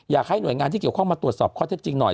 อยากให้หน่วยงานที่เกี่ยวข้องมาตรวจสอบข้อเท็จจริงหน่อย